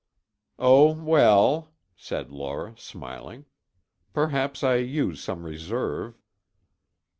"Oh, well," said Laura, smiling, "perhaps I use some reserve."